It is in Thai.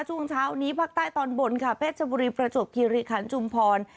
ช่วงเช้านี้ภาคใต้ตอนบนค่ะแพทย์จบุรีประจบกิริขันศ์จุมพร